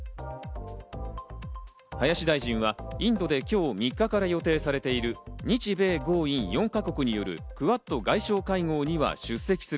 林大臣はインドで今日、３日から予定されている日米豪印４か国によるクアッド外相会合には出席す